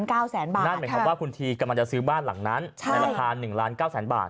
นั่นเหมือนคำว่าคุณทีกำลังจะซื้อบ้านหลังนั้นราคา๑๙๐๐๐๐๐บาท